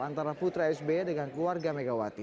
antara putra sby dengan keluarga megawati